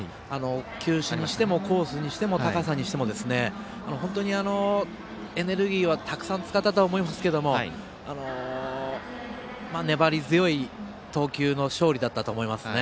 球種にしても、コースにしても高さにしても、エネルギーはたくさん使ったとは思いますが粘り強い投球の勝利だったと思います。